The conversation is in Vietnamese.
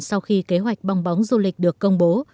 sau khi kế hoạch bong bóng du lịch được công bố